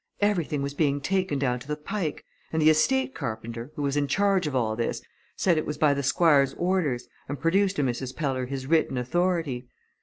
Everything was being taken down to the Pike and the estate carpenter, who was in charge of all this, said it was by the Squire's orders, and produced to Mrs. Peller his written authority.